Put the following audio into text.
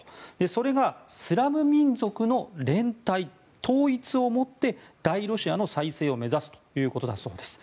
それが、スラブ民族の連帯統一をもって大ロシアの再生を目指すということだそうです。